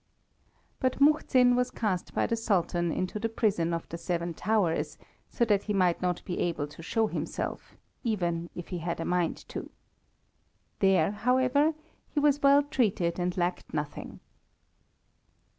But Muhzin was cast by the Sultan into the prison of the Seven Towers, so that he might not be able to show himself, even if he had a mind to. There, however, he was well treated and lacked nothing.